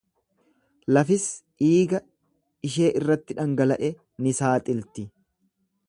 Lafis dhiiga ishee irratti dhangala'e ni saaxilti.